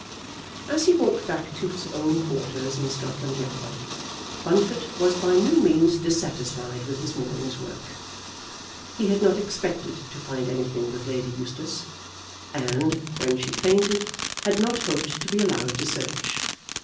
As he walked back to his own quarters in Scotland Yard, Bunfit was by no means dissatisfied with his morning's work. He had not expected to find anything with Lady Eustace, and, when she fainted, had not hoped to be allowed to search.